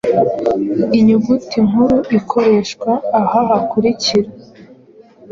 Inyuguti nkuru ikoreshwa aha hakurikira: